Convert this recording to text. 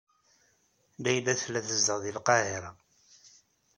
Layla tella tezdeɣ deg lqahiṛa.